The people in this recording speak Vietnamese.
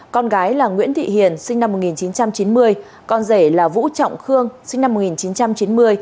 con gái là nguyễn thị hiền sinh năm một nghìn chín trăm chín mươi con rể là vũ trọng khương sinh năm một nghìn chín trăm chín mươi